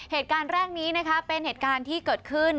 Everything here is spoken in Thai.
เหตุการณ์แรกนี้นะคะเป็นเหตุการณ์ที่เกิดขึ้น